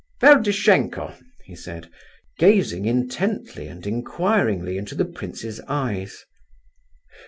"Ferdishenko," he said, gazing intently and inquiringly into the prince's eyes.